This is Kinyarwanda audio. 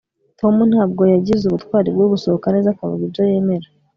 tom ntabwo yagize ubutwari bwo gusohoka neza akavuga ibyo yemera